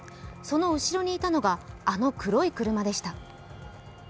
その後ろにいたのがあの黒い車でした。